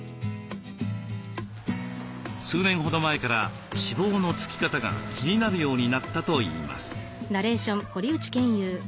数年ほど前から脂肪のつき方が気になるようになったといいます。